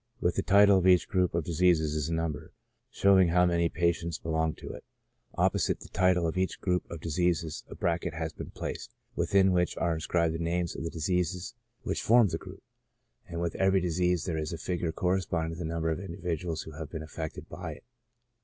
With the title of each group of diseases is a number, show ing how many patients belong to it. Opposite the title of each group of diseases a bracket has been placed, within which are inscribed the names of the diseases which form AS PREDISPOSING TO DISEASE. 155 the group, and with every disease there is a figure cor responding to the number of individuals who have been affected by it.